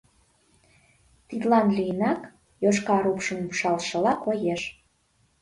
Тидлан лийынак, йошкар упшым упшалшыла коеш.